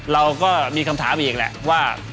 เราก็มีคำถามอีกแหละว่า